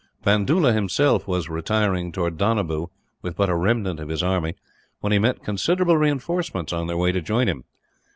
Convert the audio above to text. Bandoola himself was retiring towards Donabew, with but a remnant of his army, when he met considerable reinforcements on their way to join him.